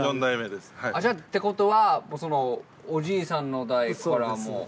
ってことはおじいさんの代からもう。